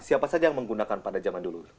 siapa saja yang menggunakan pada zaman dulu